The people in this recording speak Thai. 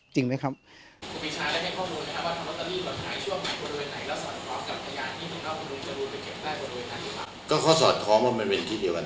จริงไหมครับ